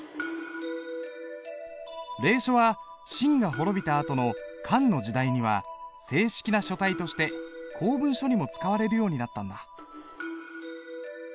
隷書は秦が滅びたあとの漢の時代には正式な書体として公文書にも使われるようになったんだ。